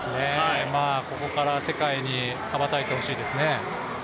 ここから、世界に羽ばたいてほしいですね。